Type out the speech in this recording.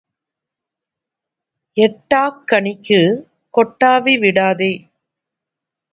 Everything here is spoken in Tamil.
எட்டாக் கனிக்குக் கொட்டாவி விடாதே.